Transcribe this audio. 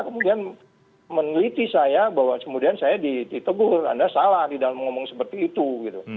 kemudian meneliti saya bahwa kemudian saya ditegur anda salah di dalam ngomong seperti itu gitu